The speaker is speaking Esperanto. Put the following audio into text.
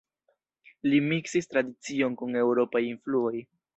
Li miksis tradicion kun eŭropaj influoj.